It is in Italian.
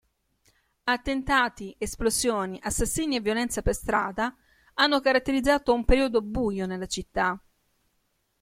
Attentati, esplosioni, assassinii e violenza per strada hanno caratterizzato un periodo buio nella città.